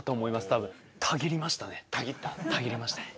たぎりましたね。